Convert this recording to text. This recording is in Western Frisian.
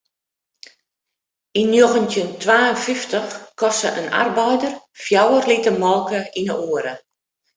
Yn njoggentjin twa en fyftich koste in arbeider fjouwer liter molke yn 'e oere.